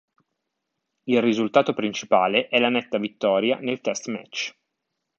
Il risultato principale è la netta vittoria nel test match.